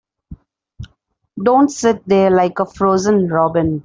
Don't sit there like a frozen robin.